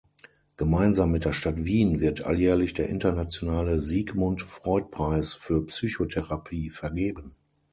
Gemeinsam mit der Stadt Wien wird alljährlich der Internationale Sigmund-Freud-Preis für Psychotherapie vergeben.